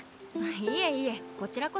いえいえこちらこそ。